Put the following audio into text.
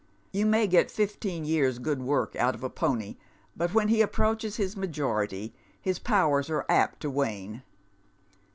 You may get fifteen years' good work out of a pony, but when he approaches his majority his powers are apt to wane.